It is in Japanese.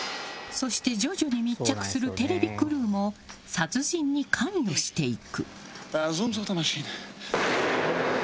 そして、徐々に密着するテレビクルーも殺人に関与していく。